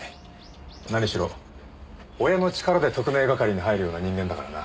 何しろ親の力で特命係に入るような人間だからな。